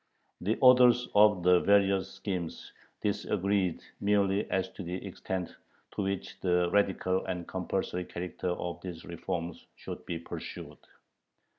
The authors of the various schemes disagreed merely as to the extent to which the radical and compulsory character of these reforms should be pursued.